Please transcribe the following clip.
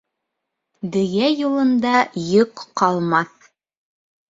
Дөйә юлында йөк ҡалмаҫ.